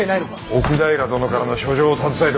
奥平殿からの書状を携えておった。